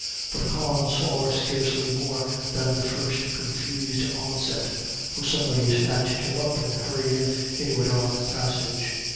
But Con saw scarcely more than the first confused onset, for somebody snatched him up and hurried him into a dark passage.